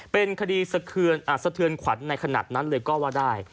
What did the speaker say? เป็นคดีสะเทือนขวัญในขณะนั้นเลยก็ว่าได้